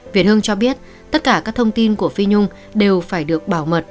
việt hưng cho biết tất cả các thông tin của phi nhung đều phải được bảo mật